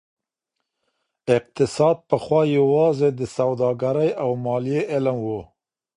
اقتصاد پخوا يوازي د سوداګرۍ او ماليې علم و.